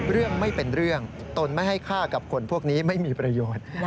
เรื่องไม่เป็นเรื่องตนไม่ให้ฆ่ากับคนพวกนี้ไม่มีประโยชน์